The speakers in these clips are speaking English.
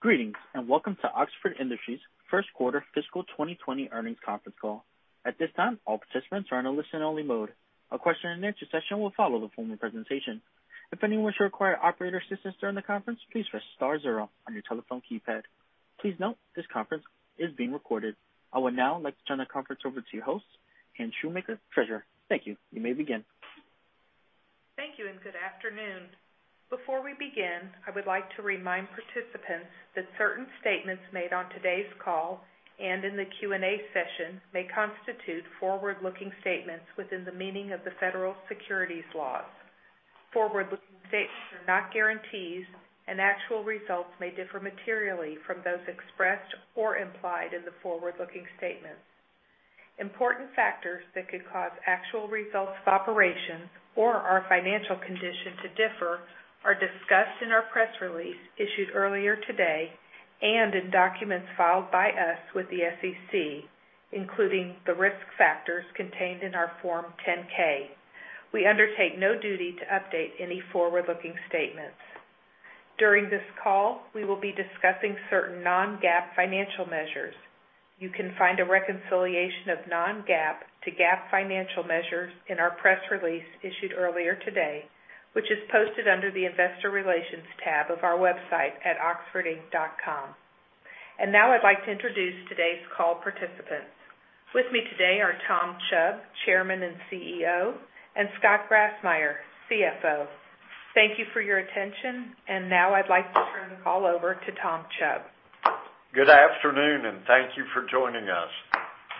Greetings, welcome to Oxford Industries' First Quarter Fiscal 2020 Earnings Conference Call. At this time, all participants are in a listen-only mode. A question-and-answer session will follow the formal presentation. If anyone should require operator assistance during the conference, please press star zero on your telephone keypad. Please note, this conference is being recorded. I would now like to turn the conference over to your host, Anne Shoemaker, Treasurer. Thank you. You may begin. Thank you, and good afternoon. Before we begin, I would like to remind participants that certain statements made on today's call and in the Q&A session may constitute forward-looking statements within the meaning of the federal securities laws. Forward-looking statements are not guarantees, and actual results may differ materially from those expressed or implied in the forward-looking statements. Important factors that could cause actual results of operations or our financial condition to differ are discussed in our press release issued earlier today, and in documents filed by us with the SEC, including the risk factors contained in our Form 10-K. We undertake no duty to update any forward-looking statements. During this call, we will be discussing certain non-GAAP financial measures. You can find a reconciliation of non-GAAP to GAAP financial measures in our press release issued earlier today, which is posted under the investor relations tab of our website at oxfordinc.com. Now I'd like to introduce today's call participants. With me today are Tom Chubb, Chairman and CEO, and Scott Grassmyer, CFO. Thank you for your attention, and now I'd like to turn the call over to Tom Chubb. Good afternoon, and thank you for joining us.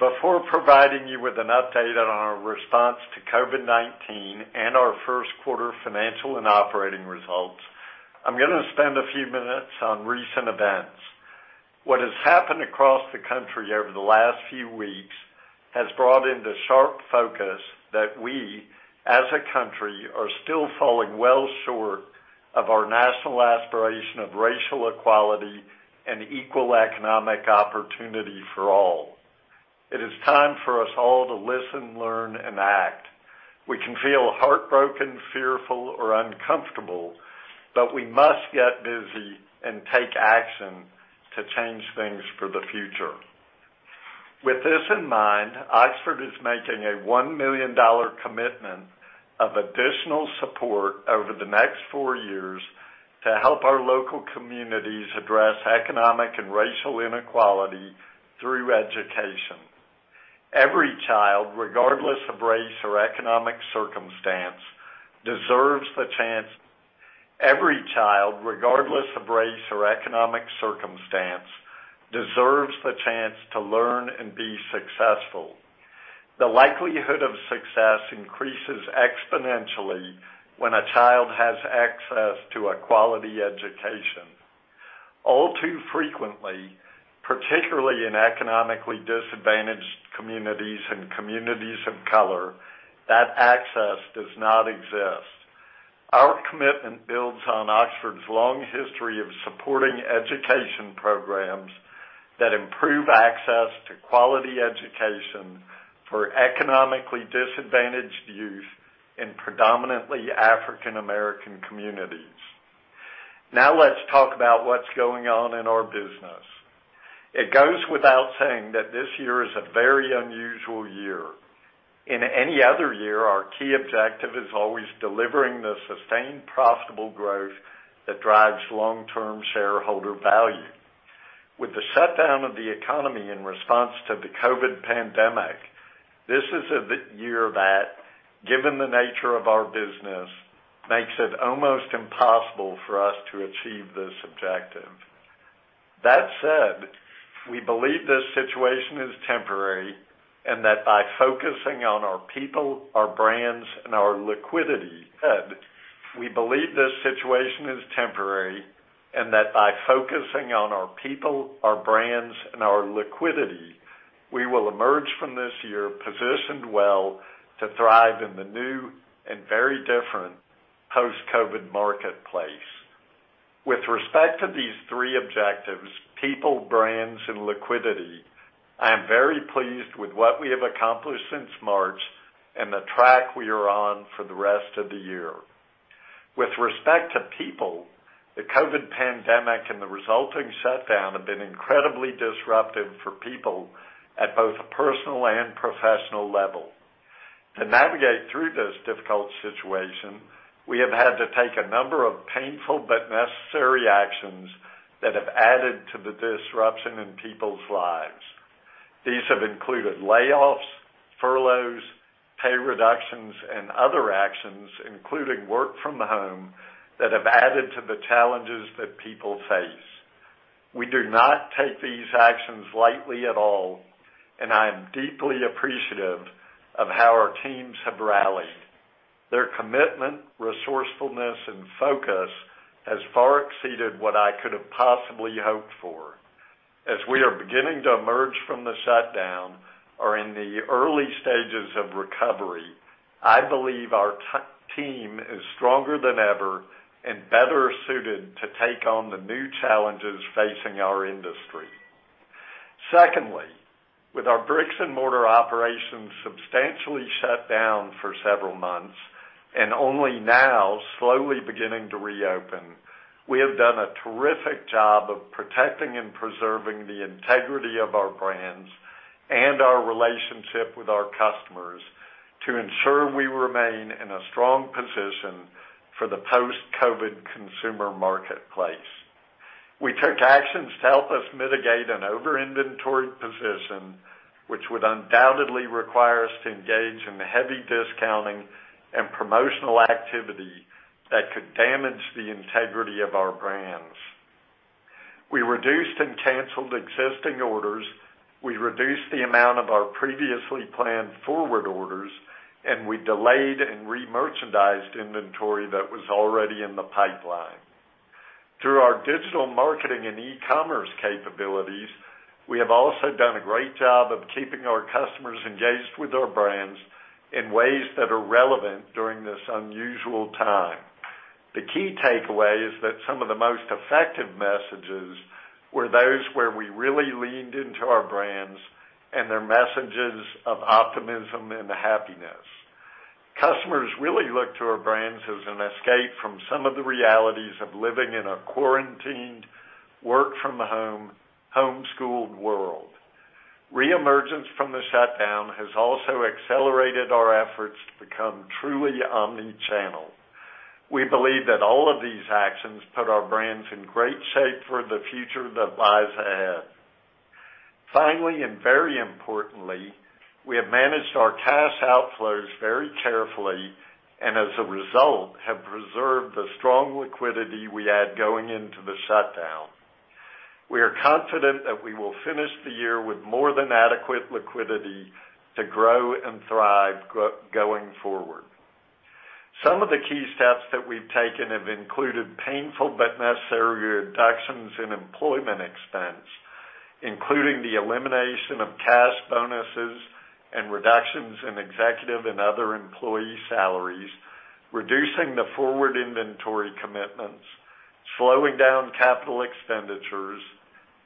Before providing you with an update on our response to COVID-19 and our first quarter financial and operating results, I'm going to spend a few minutes on recent events. What has happened across the country over the last few weeks has brought into sharp focus that we, as a country, are still falling well short of our national aspiration of racial equality and equal economic opportunity for all. It is time for us all to listen, learn, and act. We can feel heartbroken, fearful, or uncomfortable, but we must get busy and take action to change things for the future. With this in mind, Oxford is making a $1 million commitment of additional support over the next four years to help our local communities address economic and racial inequality through education. Every child, regardless of race or economic circumstance, deserves the chance to learn and be successful. The likelihood of success increases exponentially when a child has access to a quality education. All too frequently, particularly in economically disadvantaged communities and communities of color, that access does not exist. Our commitment builds on Oxford's long history of supporting education programs that improve access to quality education for economically disadvantaged youth in predominantly African American communities. Let's talk about what's going on in our business. It goes without saying that this year is a very unusual year. In any other year, our key objective is always delivering the sustained profitable growth that drives long-term shareholder value. With the shutdown of the economy in response to the COVID-19 pandemic, this is a year that, given the nature of our business, makes it almost impossible for us to achieve this objective. We believe this situation is temporary and that by focusing on our people, our brands, and our liquidity, we will emerge from this year positioned well to thrive in the new and very different post-COVID marketplace. With respect to these three objectives, people, brands, and liquidity, I am very pleased with what we have accomplished since March and the track we are on for the rest of the year. With respect to people, the COVID pandemic and the resulting shutdown have been incredibly disruptive for people at both a personal and professional level. To navigate through this difficult situation, we have had to take a number of painful but necessary actions that have added to the disruption in people's lives. These have included layoffs, furloughs, pay reductions, and other actions, including work from home, that have added to the challenges that people face. We do not take these actions lightly at all, and I am deeply appreciative of how our teams have rallied. Their commitment, resourcefulness, and focus has far exceeded what I could have possibly hoped for. As we are beginning to emerge from the shutdown or in the early stages of recovery, I believe our team is stronger than ever and better suited to take on the new challenges facing our industry. Secondly, with our bricks-and-mortar operations substantially shut down for several months, and only now slowly beginning to reopen, we have done a terrific job of protecting and preserving the integrity of our brands and our relationship with our customers to ensure we remain in a strong position for the post-COVID consumer marketplace. We took actions to help us mitigate an over-inventoried position, which would undoubtedly require us to engage in heavy discounting and promotional activity that could damage the integrity of our brands. We reduced and canceled existing orders, we reduced the amount of our previously planned forward orders, and we delayed and re-merchandised inventory that was already in the pipeline. Through our digital marketing and e-commerce capabilities, we have also done a great job of keeping our customers engaged with our brands in ways that are relevant during this unusual time. The key takeaway is that some of the most effective messages were those where we really leaned into our brands and their messages of optimism and happiness. Customers really look to our brands as an escape from some of the realities of living in a quarantined, work-from-home, home-schooled world. Re-emergence from the shutdown has also accelerated our efforts to become truly omni-channel. We believe that all of these actions put our brands in great shape for the future that lies ahead. Finally, and very importantly, we have managed our cash outflows very carefully and as a result, have preserved the strong liquidity we had going into the shutdown. We are confident that we will finish the year with more than adequate liquidity to grow and thrive going forward. Some of the key steps that we've taken have included painful but necessary reductions in employment expense, including the elimination of cash bonuses and reductions in executive and other employee salaries, reducing the forward inventory commitments, slowing down capital expenditures,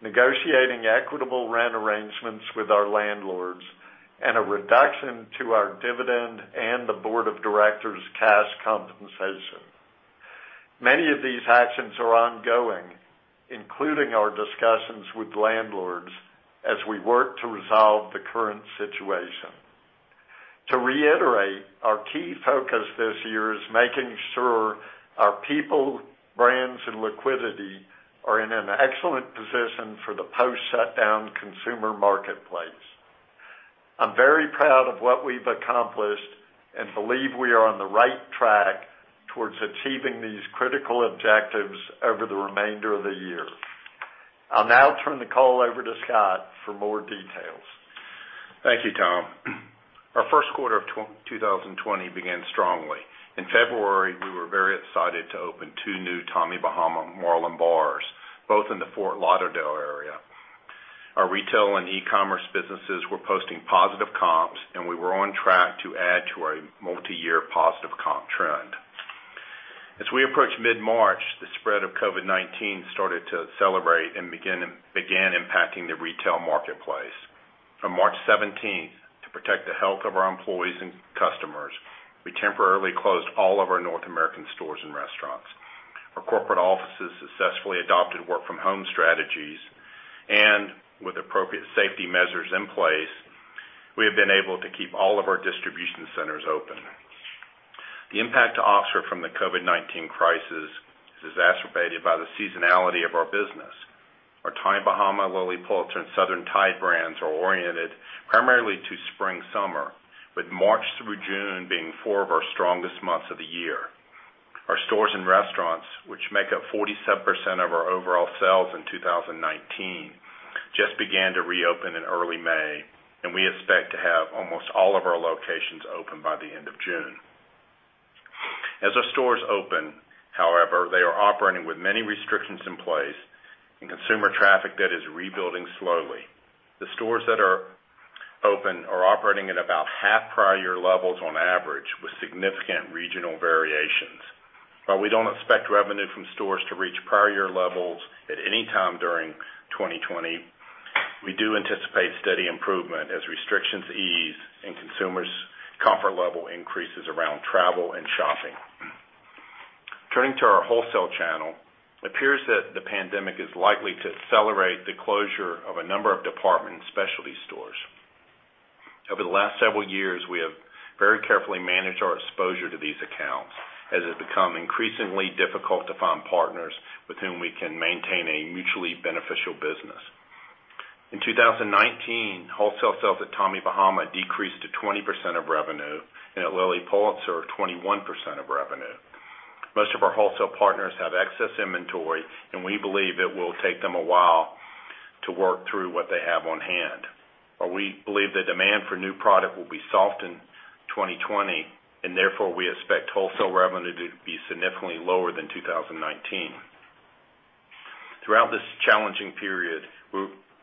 negotiating equitable rent arrangements with our landlords, and a reduction to our dividend and the board of directors' cash compensation. Many of these actions are ongoing, including our discussions with landlords as we work to resolve the current situation. To reiterate, our key focus this year is making sure our people, brands, and liquidity are in an excellent position for the post-shutdown consumer marketplace. I'm very proud of what we've accomplished and believe we are on the right track towards achieving these critical objectives over the remainder of the year. I'll now turn the call over to Scott for more details. Thank you, Tom. Our first quarter of 2020 began strongly. In February, we were very excited to open two new Tommy Bahama Marlin Bar and Grills, both in the Fort Lauderdale area. Our retail and e-commerce businesses were posting positive comps, and we were on track to add to a multiyear positive comp trend. As we approached mid-March, the spread of COVID-19 started to accelerate and began impacting the retail marketplace. On March 17th, to protect the health of our employees and customers, we temporarily closed all of our North American stores and restaurants. Our corporate offices successfully adopted work-from-home strategies, and with appropriate safety measures in place, we have been able to keep all of our distribution centers open. The impact to Oxford from the COVID-19 crisis is exacerbated by the seasonality of our business. Our Tommy Bahama, Lilly Pulitzer, and Southern Tide brands are oriented primarily to spring/summer, with March through June being four of our strongest months of the year. Our stores and restaurants, which make up 47% of our overall sales in 2019, just began to reopen in early May, and we expect to have almost all of our locations open by the end of June. As our stores open, however, they are operating with many restrictions in place and consumer traffic that is rebuilding slowly. The stores that are open are operating at about half prior year levels on average, with significant regional variations. While we don't expect revenue from stores to reach prior year levels at any time during 2020, we do anticipate steady improvement as restrictions ease and consumers' comfort level increases around travel and shopping. Turning to our wholesale channel, it appears that the pandemic is likely to accelerate the closure of a number of department and specialty stores. Over the last several years, we have very carefully managed our exposure to these accounts, as it has become increasingly difficult to find partners with whom we can maintain a mutually beneficial business. In 2019, wholesale sales at Tommy Bahama decreased to 20% of revenue, and at Lilly Pulitzer, 21% of revenue. Most of our wholesale partners have excess inventory, and we believe it will take them a while to work through what they have on hand. We believe the demand for new product will be soft in 2020, and therefore, we expect wholesale revenue to be significantly lower than 2019. Throughout this challenging period,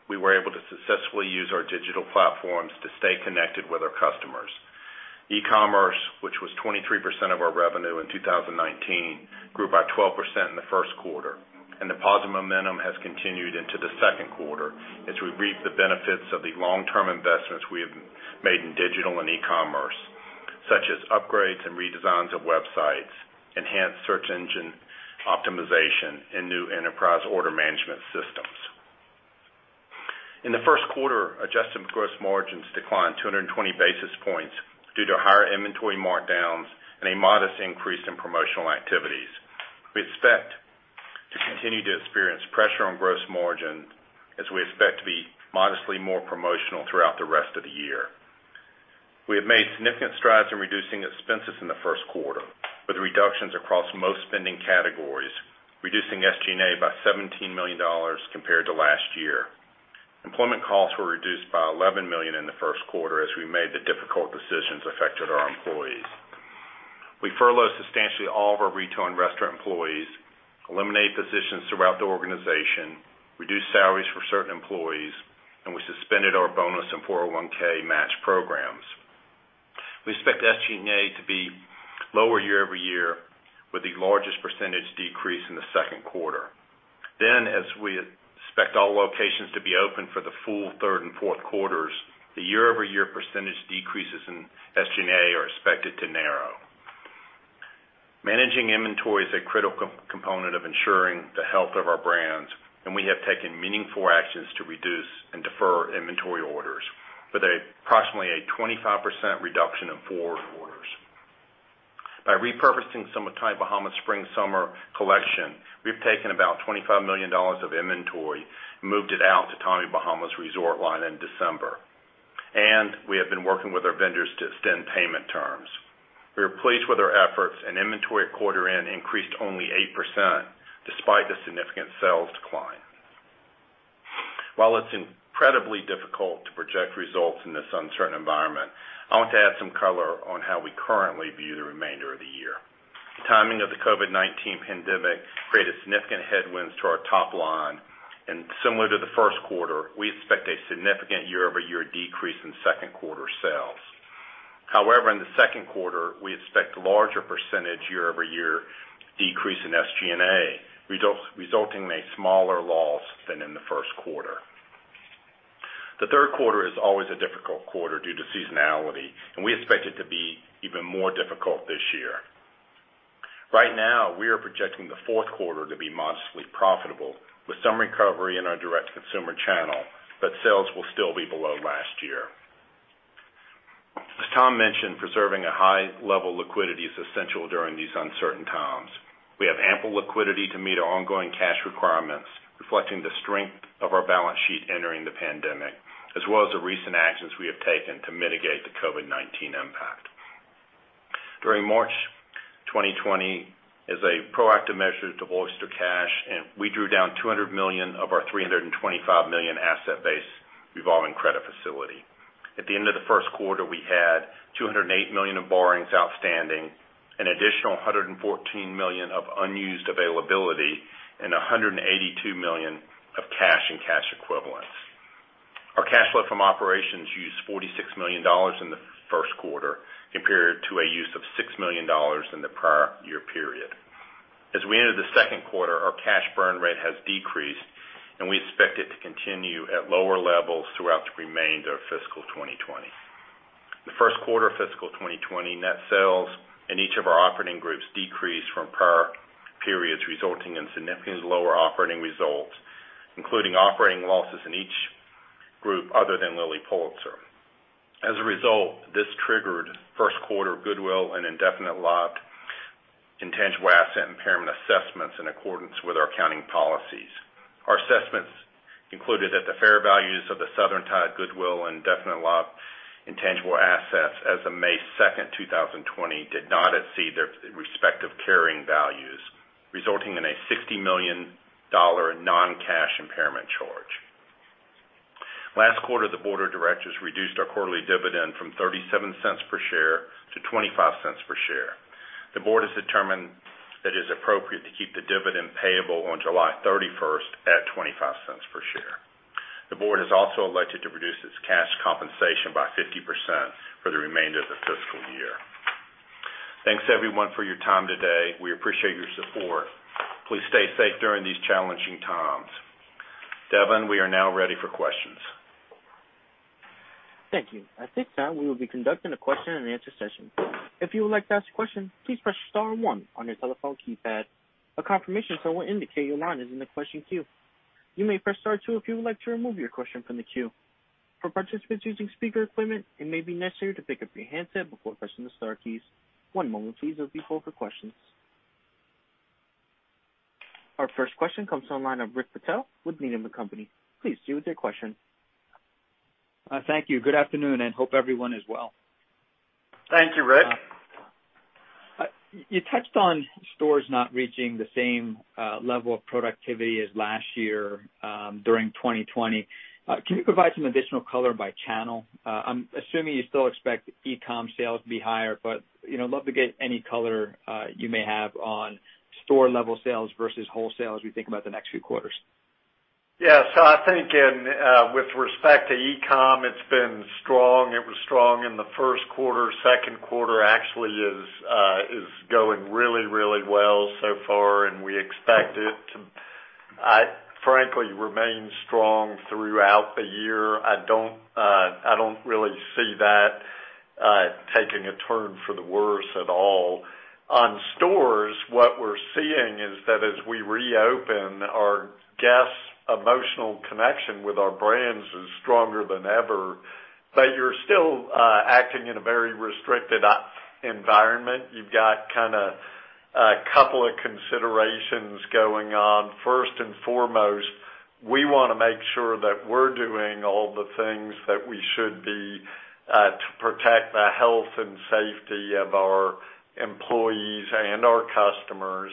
we were able to successfully use our digital platforms to stay connected with our customers. E-commerce, which was 23% of our revenue in 2019, grew by 12% in the first quarter, and the positive momentum has continued into the second quarter as we reap the benefits of the long-term investments we have made in digital and e-commerce, such as upgrades and redesigns of websites, enhanced search engine optimization, and new enterprise order management systems. In the first quarter, adjusted gross margins declined 220 basis points due to higher inventory markdowns and a modest increase in promotional activities. We expect to continue to experience pressure on gross margin as we expect to be modestly more promotional throughout the rest of the year. We have made significant strides in reducing expenses in the first quarter, with reductions across most spending categories, reducing SG&A by $17 million compared to last year. Employment costs were reduced by $11 million in the first quarter as we made the difficult decisions affected our employees. We furloughed substantially all of our retail and restaurant employees, eliminated positions throughout the organization, reduced salaries for certain employees, and we suspended our bonus and 401(k) match programs. We expect SG&A to be lower year-over-year, with the largest percentage decrease in the second quarter. As we expect all locations to be open for the full third and fourth quarters, the year-over-year percentage decreases in SG&A are expected to narrow. Managing inventory is a critical component of ensuring the health of our brands, and we have taken meaningful actions to reduce and defer inventory orders with approximately a 25% reduction in forward orders. By repurposing some of Tommy Bahama's spring/summer collection, we've taken about $25 million of inventory and moved it out to Tommy Bahama's resort line in December, and we have been working with our vendors to extend payment terms. We are pleased with our efforts, and inventory quarter end increased only 8%, despite the significant sales decline. While it's incredibly difficult to project results in this uncertain environment, I want to add some color on how we currently view the remainder of the year. The timing of the COVID-19 pandemic created significant headwinds to our top line, and similar to the first quarter, we expect a significant year-over-year decrease in second quarter sales. In the second quarter, we expect a larger percentage year-over-year decrease in SG&A, resulting in a smaller loss than in the first quarter. The third quarter is always a difficult quarter due to seasonality, and we expect it to be even more difficult this year. Right now, we are projecting the fourth quarter to be modestly profitable with some recovery in our direct consumer channel, but sales will still be below last year. As Tom mentioned, preserving a high level of liquidity is essential during these uncertain times. We have ample liquidity to meet our ongoing cash requirements, reflecting the strength of our balance sheet entering the pandemic, as well as the recent actions we have taken to mitigate the COVID-19 impact. During March 2020, as a proactive measure to bolster cash, we drew down $200 million of our $325 million asset-based revolving credit facility. At the end of the first quarter, we had $208 million of borrowings outstanding, an additional $114 million of unused availability, and $182 million of cash and cash equivalents. Our cash flow from operations used $46 million in the first quarter, compared to a use of $6 million in the prior year period. As we enter the second quarter, our cash burn rate has decreased, and we expect it to continue at lower levels throughout the remainder of fiscal 2020. In the first quarter of fiscal 2020, net sales in each of our operating groups decreased from prior periods, resulting in significantly lower operating results, including operating losses in each group other than Lilly Pulitzer. As a result, this triggered first quarter goodwill and indefinite-lived intangible asset impairment assessments in accordance with our accounting policies. Our assessments concluded that the fair values of the Southern Tide goodwill indefinite-lived intangible assets as of May 2nd, 2020, did not exceed their respective carrying values, resulting in a $60 million non-cash impairment charge. Last quarter, the board of directors reduced our quarterly dividend from $0.37 per share to $0.25 per share. The board has determined that it is appropriate to keep the dividend payable on July 31st at $0.25 per share. The board has also elected to reduce its cash compensation by 50% for the remainder of the fiscal year. Thanks, everyone, for your time today. We appreciate your support. Please stay safe during these challenging times. Devin, we are now ready for questions. Thank you. At this time, we will be conducting a question-and-answer session. If you would like to ask a question, please press star one on your telephone keypad. A confirmation tone will indicate your line is in the question queue. You may press star two if you would like to remove your question from the queue. For participants using speaker equipment, it may be necessary to pick up your handset before pressing the star keys. One moment please as we poll for questions. Our first question comes from the line of Rick Patel with Needham & Company. Please proceed with your question. Thank you. Good afternoon. Hope everyone is well. Thank you, Rick. You touched on stores not reaching the same level of productivity as last year during 2020. Can you provide some additional color by channel? I'm assuming you still expect e-comm sales to be higher, but I'd love to get any color you may have on store level sales versus wholesale as we think about the next few quarters. Yes, I think with respect to e-comm, it's been strong. It was strong in the first quarter. Second quarter actually is going really, really well so far. We expect it to, frankly, remain strong throughout the year. I don't really see that taking a turn for the worse at all. On stores, what we're seeing is that as we reopen, our guests' emotional connection with our brands is stronger than ever. You're still acting in a very restricted environment. You've got a couple of considerations going on. First and foremost, we want to make sure that we're doing all the things that we should be to protect the health and safety of our employees and our customers.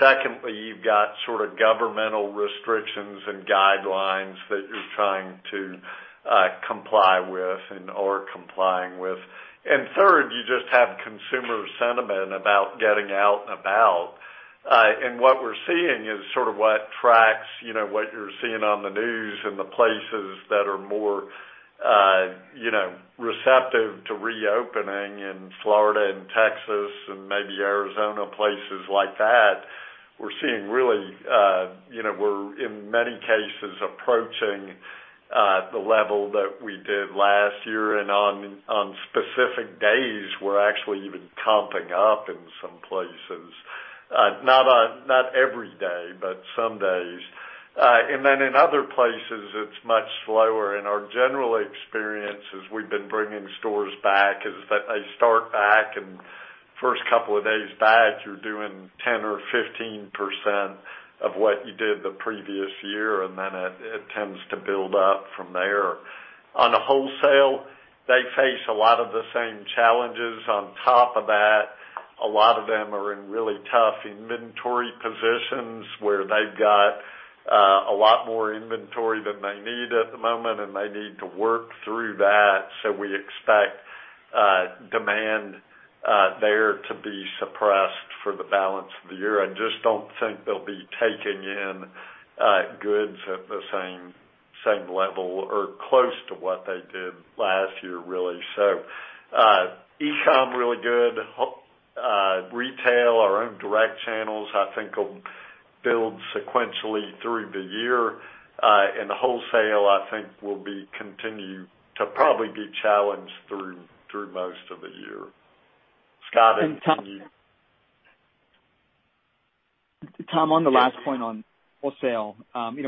Secondly, you've got governmental restrictions and guidelines that you're trying to comply with and are complying with. Third, you just have consumer sentiment about getting out and about. What we're seeing is what tracks what you're seeing on the news and the places that are more receptive to reopening in Florida and Texas and maybe Arizona, places like that. We're seeing really, we're in many cases, approaching the level that we did last year. On specific days, we're actually even comping up in some places. Not every day, but some days. In other places, it's much slower. Our general experience as we've been bringing stores back is that they start back, and first couple of days back, you're doing 10% or 15% of what you did the previous year, and then it tends to build up from there. On the wholesale, they face a lot of the same challenges. A lot of them are in really tough inventory positions where they've got a lot more inventory than they need at the moment, and they need to work through that. We expect demand there to be suppressed for the balance of the year. I just don't think they'll be taking in goods at the same level or close to what they did last year, really. E-comm, really good. Retail, our own direct channels, I think will build sequentially through the year. The wholesale, I think will continue to probably be challenged through most of the year. Tom, on the last point on wholesale.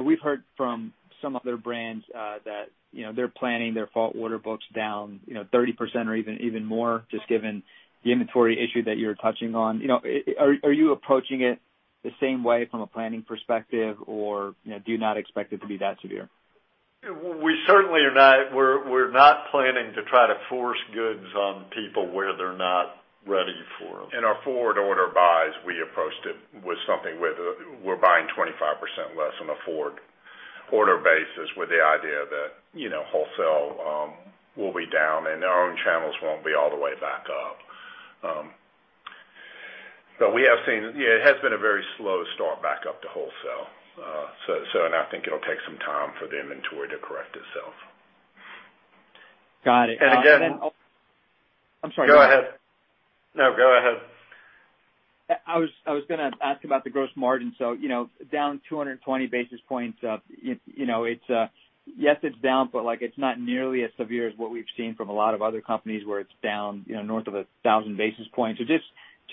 We've heard from some other brands that they're planning their fall order books down 30% or even more, just given the inventory issue that you're touching on. Are you approaching it the same way from a planning perspective, or do you not expect it to be that severe? We certainly are not planning to try to force goods on people where they're not ready for them. In our forward order buys, we approached it with something where we're buying 25% less on a forward order basis with the idea that wholesale will be down and our own channels won't be all the way back up. But it has been a very slow start back up to wholesale. And I think it'll take some time for the inventory to correct itself. Got it. I was going to ask about the gross margin. Down 220 basis points. Yes, it's down, but it's not nearly as severe as what we've seen from a lot of other companies where it's down north of 1,000 basis points.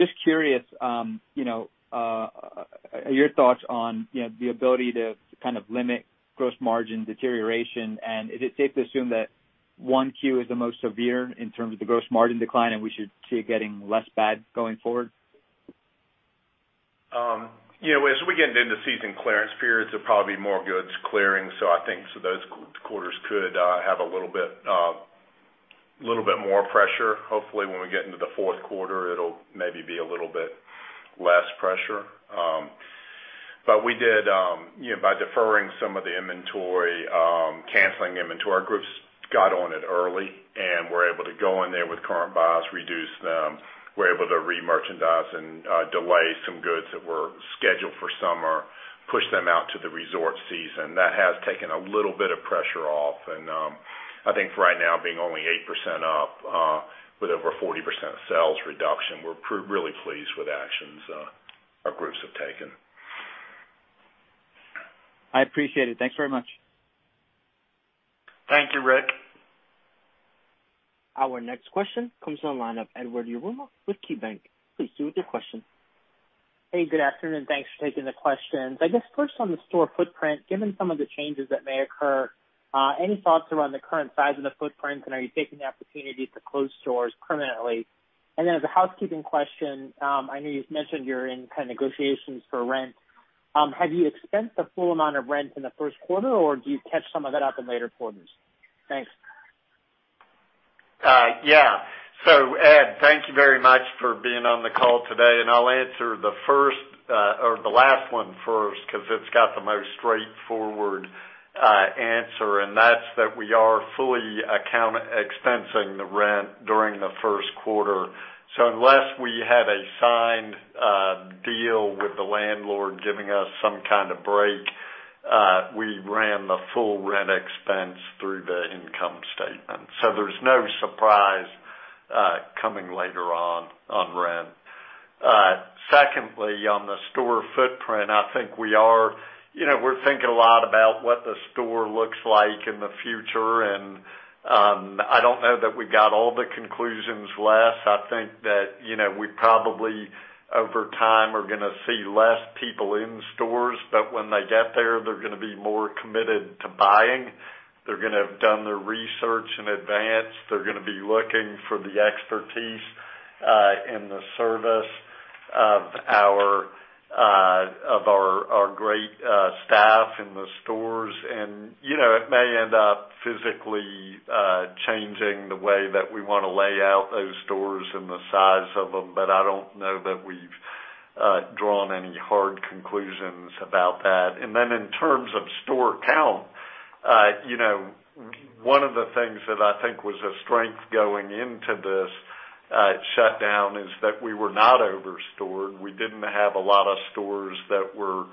Just curious, your thoughts on the ability to limit gross margin deterioration, and is it safe to assume that one Q is the most severe in terms of the gross margin decline and we should see it getting less bad going forward? As we get into season clearance periods, there'll probably be more goods clearing. I think those quarters could have a little bit more pressure. Hopefully, when we get into the fourth quarter, it'll maybe be a little bit less pressure. By deferring some of the inventory, canceling inventory, groups got on it early and were able to go in there with current buys, reduce them, were able to re-merchandise and delay some goods that were scheduled for summer, push them out to the resort season. That has taken a little bit of pressure off. I think for right now, being only 8% up with over 40% sales reduction, we're really pleased with actions our groups have taken. I appreciate it. Thanks very much. Thank you, Rick. Our next question comes on the line of Edward Yruma with KeyBanc. Please [go] with your question. Hey, good afternoon. Thanks for taking the questions. I guess first on the store footprint, given some of the changes that may occur, any thoughts around the current size of the footprint and are you taking the opportunity to close stores permanently? As a housekeeping question, I know you've mentioned you're in negotiations for rent. Have you expensed the full amount of rent in the first quarter or do you catch some of that up in later quarters? Thanks. Yeah. Ed, thank you very much for being on the call today. I'll answer the last one first because it's got the most straightforward. That's that we are fully account expensing the rent during the first quarter. Unless we have a signed deal with the landlord giving us some kind of break, we ran the full rent expense through the income statement. There's no surprise coming later on rent. Secondly, on the store footprint, I think we're thinking a lot about what the store looks like in the future, and I don't know that we got all the [conclusions less. When they get there, they're going to be more committed to buying. They're going to have done their research in advance. They're going to be looking for the expertise in the service of our great staff in the stores. It may end up physically changing the way that we want to lay out those stores and the size of them, but I don't know that we've drawn any hard conclusions about that. In terms of store count, one of the things that I think was a strength going into this shutdown is that we were not over-stored. We didn't have a lot of stores that were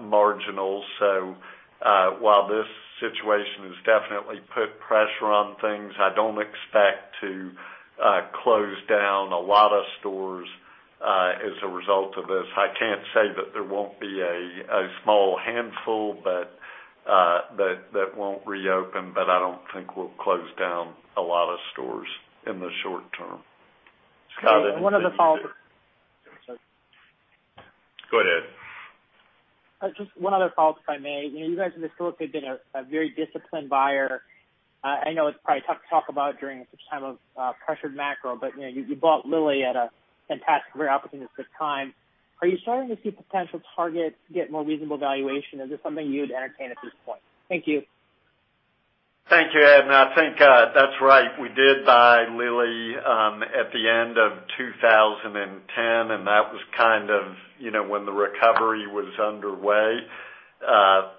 marginal. While this situation has definitely put pressure on things, I don't expect to close down a lot of stores as a result of this. I can't say that there won't be a small handful that won't reopen, but I don't think we'll close down a lot of stores in the short term. One other follow-up. Go ahead. Just one other follow-up, if I may. You guys have historically been a very disciplined buyer. I know it's probably tough to talk about during such time of pressured macro. You bought Lilly at a fantastic, very opportunistic time. Are you starting to see potential target get more reasonable valuation? Is this something you'd entertain at this point? Thank you. Thank you, Ed. I think that's right. We did buy Lilly at the end of 2010, and that was kind of when the recovery was underway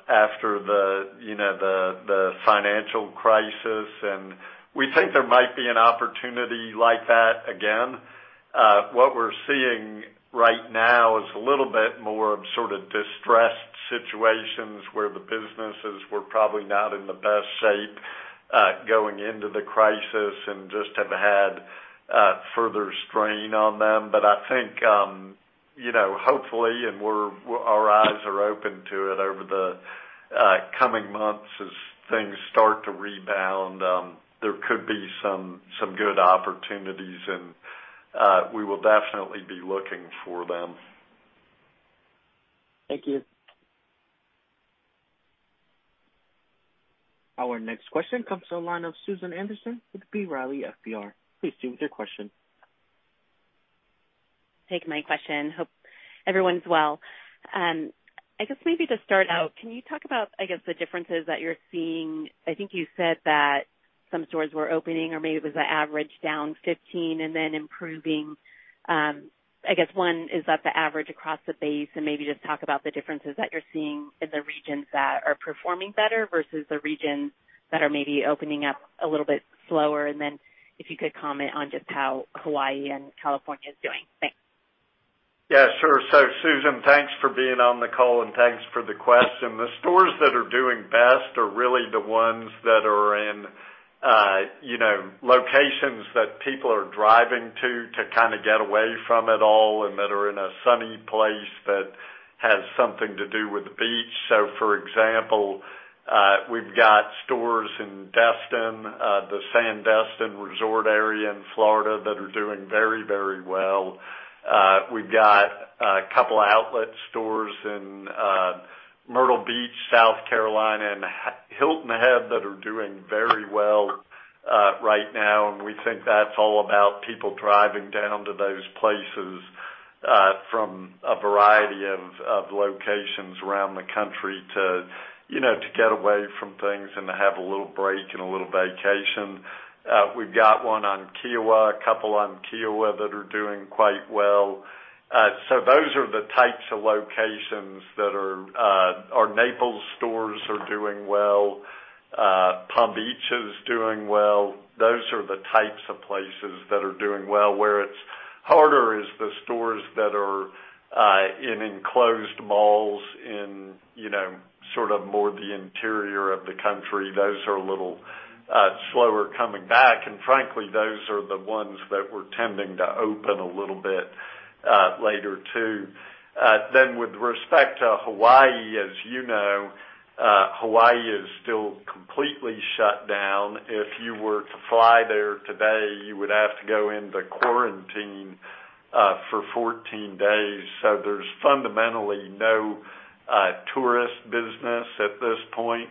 after the financial crisis. We think there might be an opportunity like that again. What we're seeing right now is a little bit more of sort of distressed situations, where the businesses were probably not in the best shape going into the crisis and just have had further strain on them. I think, hopefully, and our eyes are open to it over the coming months as things start to rebound, there could be some good opportunities, and we will definitely be looking for them. Thank you. Our next question comes to the line of Susan Anderson with B. Riley FBR. Please proceed with your question. Thanks. My question. Hope everyone's well. Maybe to start out, can you talk about the differences that you're seeing? I think you said that some stores were opening, or maybe it was an average down 15 and then improving. One, is that the average across the base? Maybe just talk about the differences that you're seeing in the regions that are performing better versus the regions that are maybe opening up a little bit slower. If you could comment on just how Hawaii and California is doing. Thanks. Susan, thanks for being on the call, and thanks for the question. The stores that are doing best are really the ones that are in locations that people are driving to kind of get away from it all, and that are in a sunny place that has something to do with the beach. For example, we've got stores in Destin, the Sandestin resort area in Florida, that are doing very well. We've got a couple outlet stores in Myrtle Beach, South Carolina, and Hilton Head that are doing very well right now. We think that's all about people driving down to those places from a variety of locations around the country to get away from things and to have a little break and a little vacation. We've got one on Kiawah, a couple on Kiawah that are doing quite well. Those are the types of locations. Our Naples stores are doing well. Palm Beach is doing well. Those are the types of places that are doing well. Where it's harder is the stores that are in enclosed malls in sort of more the interior of the country. Those are a little slower coming back, and frankly, those are the ones that we're tending to open a little bit later, too. With respect to Hawaii, as you know Hawaii is still completely shut down. If you were to fly there today, you would have to go into quarantine for 14 days. There's fundamentally no tourist business at this point.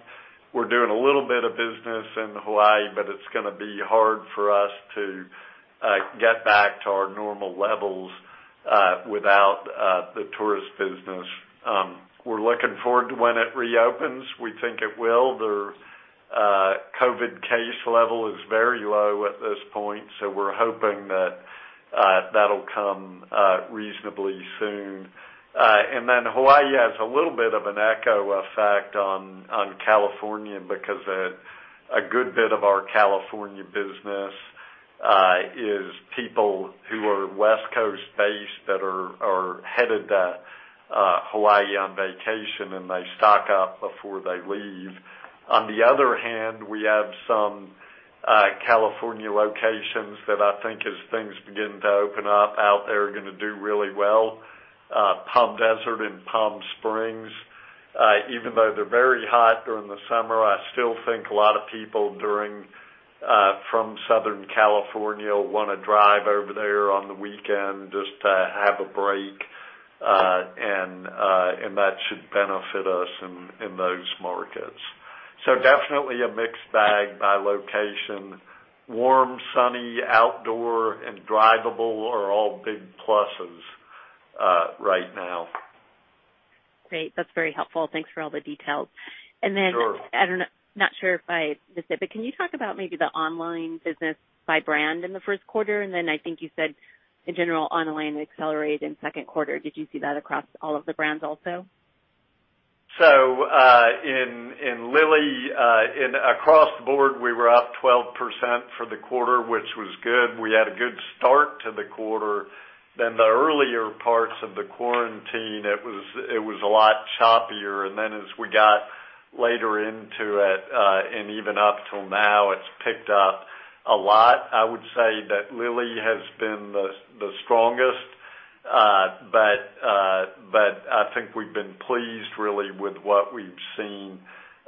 We're doing a little bit of business in Hawaii, but it's going to be hard for us to get back to our normal levels without the tourist business. We're looking forward to when it reopens. We think it will. COVID case level is very low at this point, we're hoping that'll come reasonably soon. Hawaii has a little bit of an echo effect on California, because a good bit of our California business is people who are West Coast based that are headed to Hawaii on vacation, and they stock up before they leave. On the other hand, we have some California locations that I think as things begin to open up out there, are going to do really well. Palm Desert and Palm Springs, even though they're very hot during the summer, I still think a lot of people from Southern California will want to drive over there on the weekend just to have a break, and that should benefit us in those markets. Definitely a mixed bag by location. Warm, sunny, outdoor, and drivable are all big pluses right now. Great. That's very helpful. Thanks for all the details. Sure. I'm not sure if I said, but can you talk about maybe the online business by brand in the first quarter? I think you said in general, online accelerated in second quarter. Did you see that across all of the brands also? In Lilly, across the board, we were up 12% for the quarter, which was good. We had a good start to the quarter. The earlier parts of the quarantine, it was a lot choppier. As we got later into it, and even up till now, it's picked up a lot. I would say that Lilly has been the strongest. I think we've been pleased really with what we've seen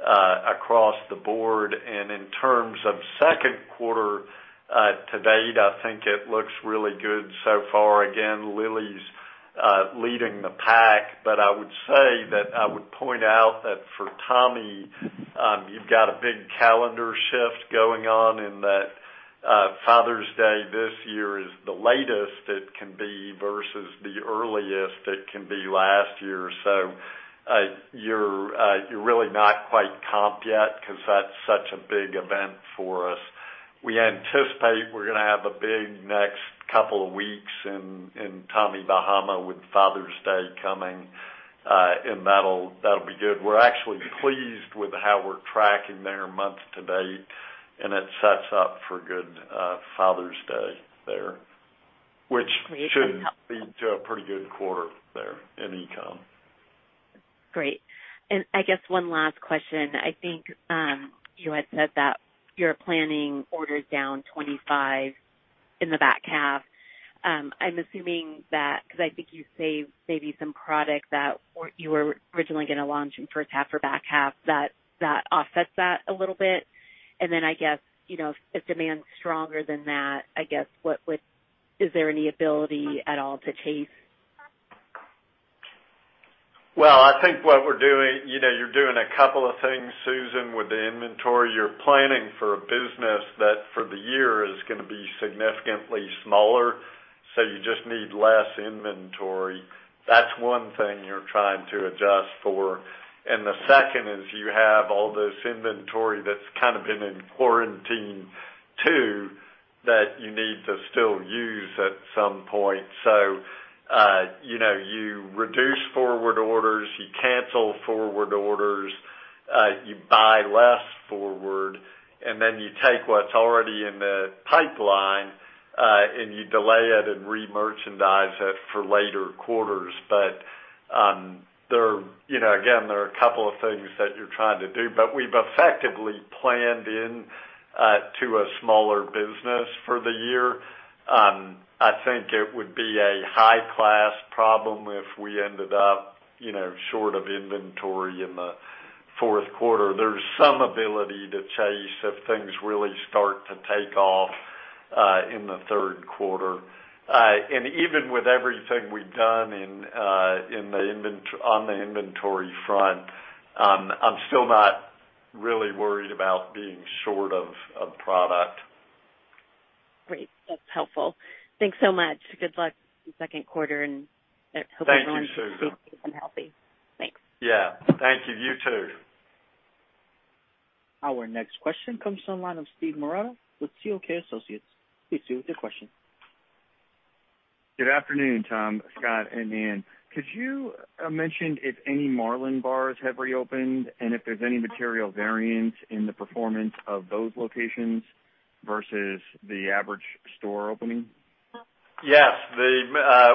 across the board. In terms of second quarter to date, I think it looks really good so far. Again, Lilly's leading the pack. I would say that I would point out that for Tommy, you've got a big calendar shift going on in that Father's Day this year is the latest it can be versus the earliest it can be last year. You're really not quite comp yet because that's such a big event for us. We anticipate we're going to have a big next couple of weeks in Tommy Bahama with Father's Day coming. That'll be good. We're actually pleased with how we're tracking there month to date, and it sets up for good Father's Day there, which should lead to a pretty good quarter there in e-comm. Great. I guess one last question. I think you had said that you're planning orders down 25% in the back half. I'm assuming that because I think you saved maybe some product that you were originally going to launch in first half or back half that offsets that a little bit. I guess, if demand's stronger than that, I guess is there any ability at all to chase? I think what we're doing, you're doing a couple of things, Susan, with the inventory. You're planning for a business that for the year is going to be significantly smaller, so you just need less inventory. That's one thing you're trying to adjust for. The second is you have all this inventory that's kind of been in quarantine too, that you need to still use at some point. You reduce forward orders, you cancel forward orders, you buy less forward, and then you take what's already in the pipeline, and you delay it and re-merchandise it for later quarters. Again, there are a couple of things that you're trying to do, but we've effectively planned in to a smaller business for the year. I think it would be a high-class problem if we ended up short of inventory in the fourth quarter. There's some ability to chase if things really start to take off in the third quarter. Even with everything we've done on the inventory front, I'm still not really worried about being short of product. Great. That's helpful. Thanks so much. Good luck second quarter, and hope everyone. Thank you, Susan. and healthy. Thanks. Yeah. Thank you. You too. Our next question comes to the line of Steve Marotta with C.L. King & Associates. Please proceed with your question. Good afternoon, Tom, Scott, and Anne. Could you mention if any Marlin Bars have reopened and if there's any material variance in the performance of those locations versus the average store opening? Yes.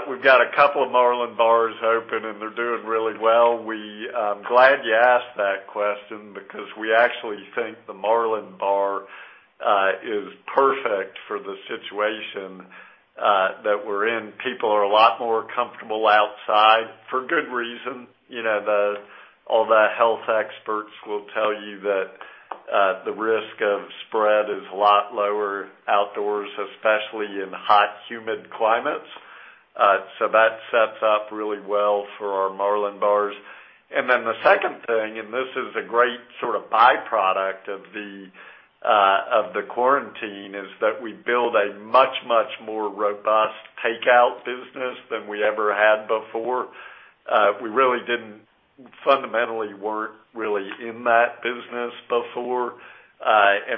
We've got a couple of Marlin Bar open and they're doing really well. I'm glad you asked that question because we actually think the Marlin Bar is perfect for the situation that we're in. People are a lot more comfortable outside for good reason. All the health experts will tell you that the risk of spread is a lot lower outdoors, especially in hot, humid climates. That sets up really well for our Marlin Bar. The second thing, this is a great sort of byproduct of the quarantine, is that we build a much, much more robust takeout business than we ever had before. We really didn't fundamentally work really in that business before.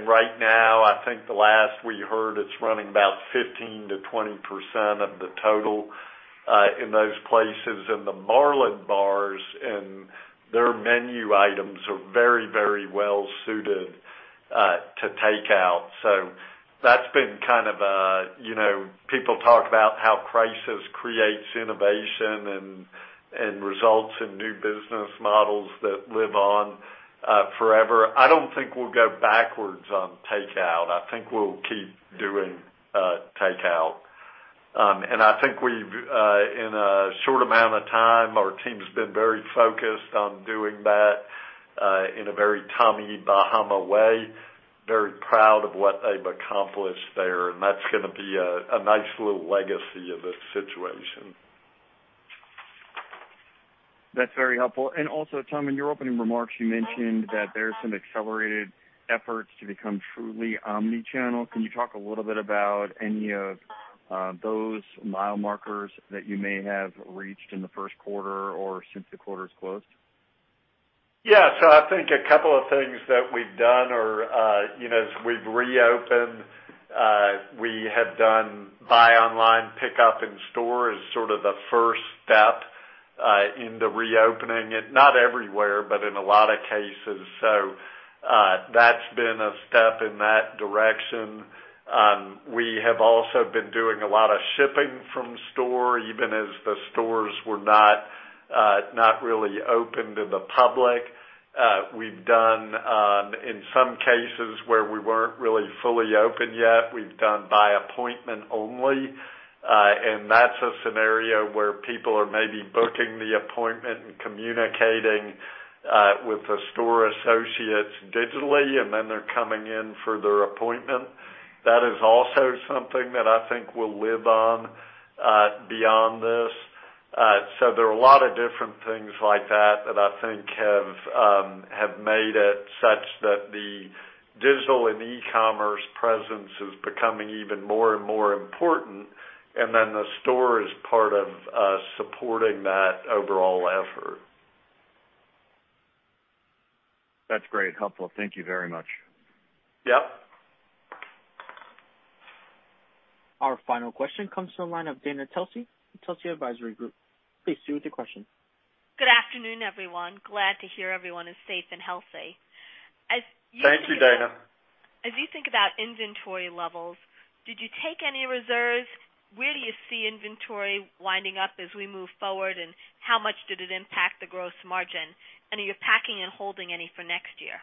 Right now, I think the last we heard, it's running about 15%-20% of the total in those places. The Marlin Bars and their menu items are very well suited to take out. People talk about how crisis creates innovation and results in new business models that live on forever. I don't think we'll go backwards on take out. I think we'll keep doing take out. I think in a short amount of time, our team's been very focused on doing that in a very Tommy Bahama way, very proud of what they've accomplished there, and that's going to be a nice little legacy of this situation. That's very helpful. Also, Tom, in your opening remarks, you mentioned that there's some accelerated efforts to become truly omni-channel. Can you talk a little bit about any of those mile markers that you may have reached in the first quarter or since the quarter's closed? Yeah. I think a couple of things that we've done or as we've reopened, we have done buy online, pick up in store as sort of the first step in the reopening. Not everywhere, but in a lot of cases. That's been a step in that direction. We have also been doing a lot of shipping from store, even as the stores were not really open to the public. We've done, in some cases where we weren't really fully open yet, we've done by appointment only. That's a scenario where people are maybe booking the appointment and communicating with the store associates digitally, and then they're coming in for their appointment. That is also something that I think will live on beyond this. There are a lot of different things like that I think have made it such that the digital and e-commerce presence is becoming even more and more important, and then the store is part of supporting that overall effort. That's great. Helpful. Thank you very much. Yeah. Our final question comes from the line of Dana Telsey from Telsey Advisory Group. Please go with your question. Good afternoon, everyone. Glad to hear everyone is safe and healthy. Thank you, Dana. As you think about inventory levels, did you take any reserves? Where do you see inventory winding up as we move forward, and how much did it impact the gross margin? Are you packing and holding any for next year?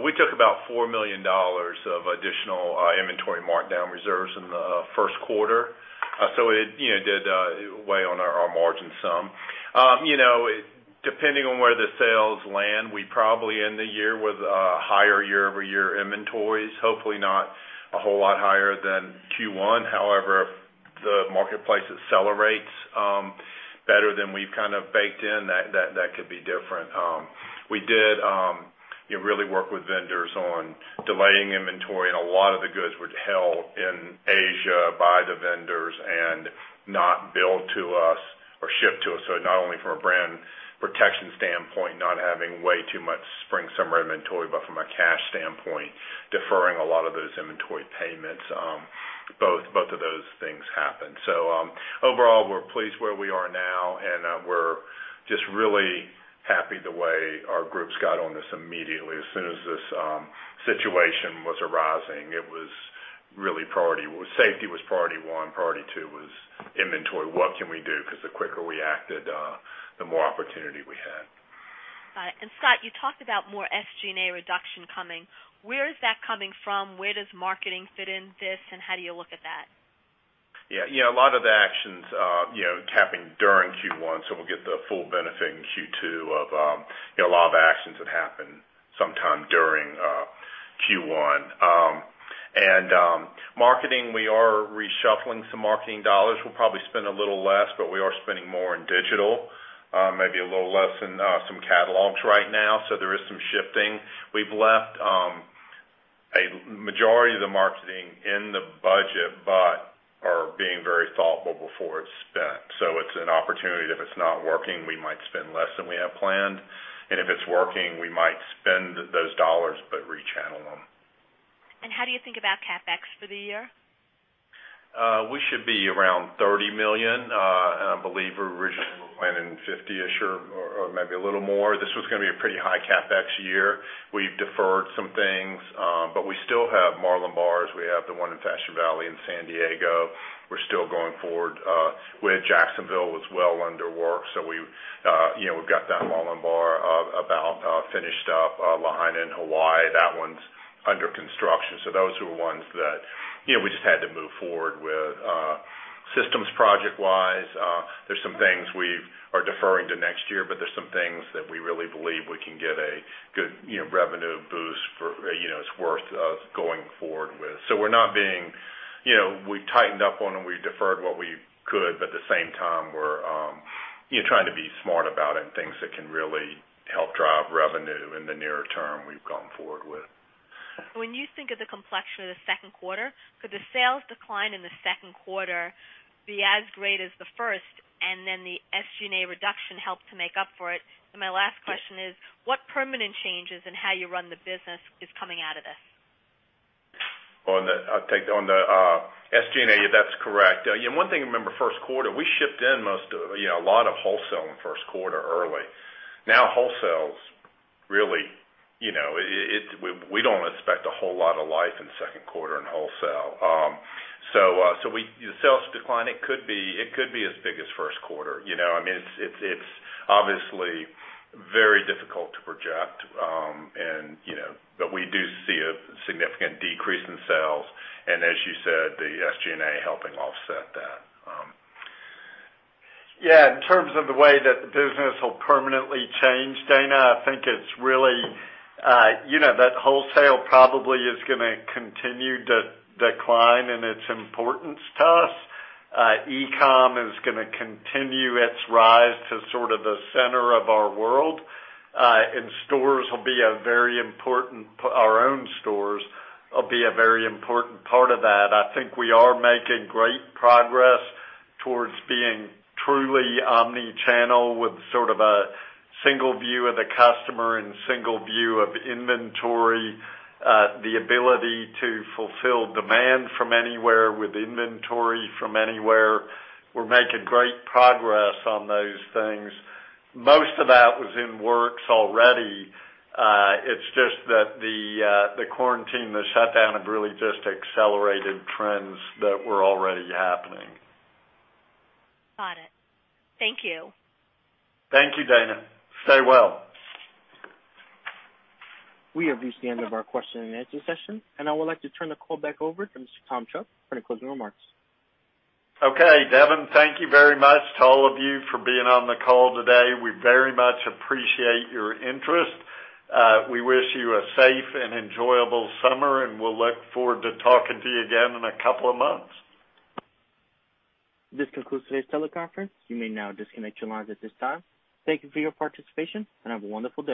We took about $4 million of additional inventory markdown reserves in the first quarter. It did weigh on our margin some. Depending on where the sales land, we probably end the year with higher year-over-year inventories, hopefully not a whole lot higher than Q1. However, if the marketplace accelerates better than we've baked in, that could be different. We did really work with vendors on delaying inventory, and a lot of the goods were held in Asia by the vendors and not billed to us or shipped to us. Not only from a brand protection standpoint, not having way too much spring, summer inventory, but from a cash standpoint, deferring a lot of those inventory payments. Both of those things happened. Overall, we're pleased where we are now, and we're just really happy the way our groups got on this immediately. As soon as this situation was arising, safety was priority one. Priority two was inventory. What can we do? The quicker we acted, the more opportunity we had. Got it. Scott, you talked about more SG&A reduction coming. Where is that coming from? Where does marketing fit in this, and how do you look at that? A lot of the actions happened during Q1, so we'll get the full benefit in Q2 of a lot of actions that happened sometime during Q1. Marketing, we are reshuffling some marketing dollars. We'll probably spend a little less, but we are spending more in digital. Maybe a little less in some catalogs right now. There is some shifting. We've left a majority of the marketing in the budget, but are being very thoughtful before it's spent. It's an opportunity. If it's not working, we might spend less than we have planned. If it's working, we might spend those dollars but rechannel them. How do you think about CapEx for the year? We should be around $30 million. I believe we were originally planning 50-ish or maybe a little more. This was going to be a pretty high CapEx year. We've deferred some things. We still have Marlin Bars. We have the one in Fashion Valley in San Diego. We're still going forward with Jacksonville. It's well under work. We've got that Marlin Bar about finished up. Lahaina in Hawaii, that one's under construction. Those are the ones that we just had to move forward with. Systems project wise, there's some things we are deferring to next year, but there's some things that we really believe we can get a good revenue boost for. It's worth us going forward with. We tightened up on and we deferred what we could, but at the same time, we're trying to be smart about it, and things that can really help drive revenue in the near term, we've gone forward with. When you think of the complexion of the second quarter, could the sales decline in the second quarter be as great as the first, and then the SG&A reduction help to make up for it? My last question is, what permanent changes in how you run the business is coming out of this? On the SG&A, that's correct. One thing to remember, first quarter, we shipped in a lot of wholesale in first quarter early. Wholesale, we don't expect a whole lot of life in second quarter in wholesale. The sales decline, it could be as big as first quarter. It's obviously very difficult to project. We do see a significant decrease in sales and, as you said, the SG&A helping offset that. Yeah. In terms of the way that the business will permanently change, Dana, I think that wholesale probably is going to continue to decline in its importance to us. e-com is going to continue its rise to sort of the center of our world. Our own stores will be a very important part of that. I think we are making great progress towards being truly omni-channel with sort of a single view of the customer and single view of inventory, the ability to fulfill demand from anywhere with inventory from anywhere. We're making great progress on those things. Most of that was in works already. It's just that the quarantine, the shutdown, have really just accelerated trends that were already happening. Got it. Thank you. Thank you, Dana. Stay well. We have reached the end of our question-and-answer session, and I would like to turn the call back over to Mr. Tom Chubb for any closing remarks. Okay, Devin. Thank you very much to all of you for being on the call today. We very much appreciate your interest. We wish you a safe and enjoyable summer. We'll look forward to talking to you again in a couple of months. This concludes today's teleconference. You may now disconnect your lines at this time. Thank you for your participation and have a wonderful day.